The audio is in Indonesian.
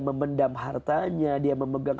memendam hartanya dia memegang